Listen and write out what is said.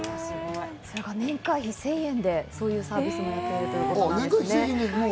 年会費１０００円でそういうサービスもやっているということですね。